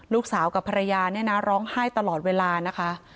ลูกสาวกับภรรยาเนี่ยนะร้องไห้ตลอดเวลานะคะ